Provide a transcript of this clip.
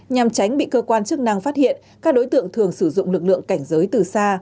nhằm tránh bị cơ quan chức năng phát hiện các đối tượng thường sử dụng lực lượng cảnh giới từ xa